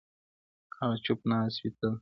هغه چوپ ناست وي تل,